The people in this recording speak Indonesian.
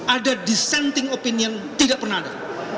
ada dissenting opinion tidak pernah ada